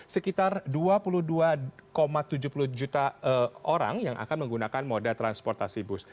sekitar dua puluh dua tujuh puluh juta orang yang akan menggunakan moda transportasi bus